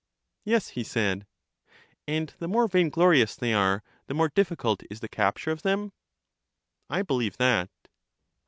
Yes, he said. And the more vain glorious they are, the more dif ficult is the capture of them? I believe that.